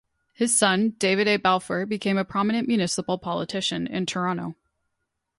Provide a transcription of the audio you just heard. His son, David A. Balfour, became a prominent municipal politician in Toronto.